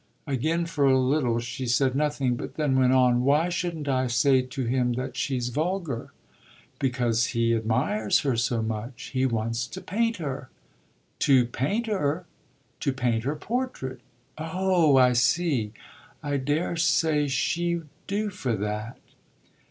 Again for a little she said nothing, but then went on: "Why shouldn't I say to him that she's vulgar?" "Because he admires her so much. He wants to paint her." "To paint her?" "To paint her portrait." "Oh I see. I daresay she'd do for that."